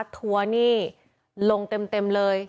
ทัวร์นี่ลงเต็มเลย